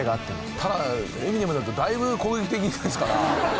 ただエミネムなんてだいぶ攻撃的ですから。